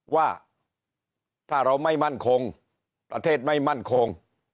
ว่าถ้าเราไม่มั่นคงประเทศไม่มั่นคง